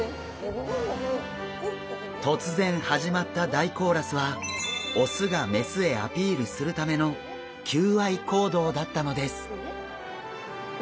突然始まった大コーラスはオスがメスへアピールするための求愛行動だったのです！